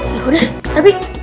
ya udah tapi